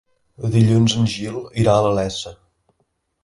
Dilluns en Gil irà a la Iessa.